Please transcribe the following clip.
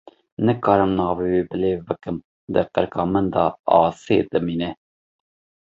Nikarim navê wê bilêv bikim, di qirika min de asê dimîne.